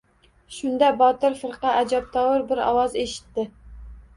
Shunda, Botir firqa ajabtovur bir ovoz eshitdi.